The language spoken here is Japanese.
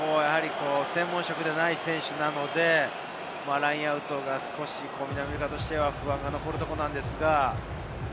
専門職でない選手なので、ラインアウトが少し南アフリカとしては不安が残るところです。